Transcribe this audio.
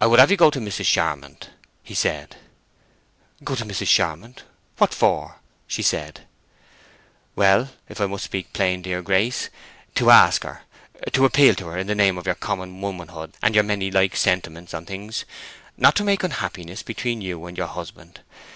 "I would have you go to Mrs. Charmond," he said. "Go to Mrs. Charmond—what for?" said she. "Well—if I must speak plain, dear Grace—to ask her, appeal to her in the name of your common womanhood, and your many like sentiments on things, not to make unhappiness between you and your husband.